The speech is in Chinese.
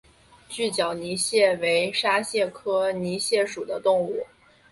锯脚泥蟹为沙蟹科泥蟹属的动物。